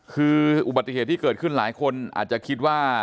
คืออุบัติเหตุที่เกิดขึ้นหลายคนอาจจะคิดว่า